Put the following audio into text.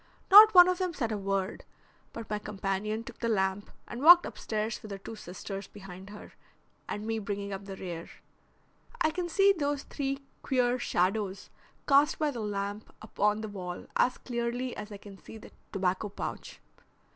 Not one of them said a word, but my companion took the lamp and walked upstairs with her two sisters behind her, and me bringing up the rear. I can see those three queer shadows cast by the lamp upon the wall as clearly as I can see that tobacco pouch.